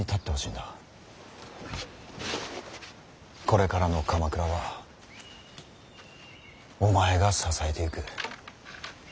これからの鎌倉はお前が支えていく。